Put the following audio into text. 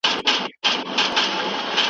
د وسلو کنټرول د نړيوالي سولي لپاره اړین دی.